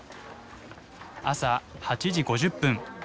朝８時５０分。